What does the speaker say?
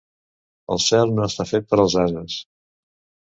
El cel no està fet per als ases.